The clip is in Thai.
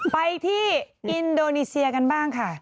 ไปที่อินโดนีเซียกันบ้างค่ะ